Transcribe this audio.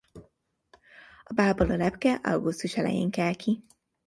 A bábból a lepke augusztus elején kel ki.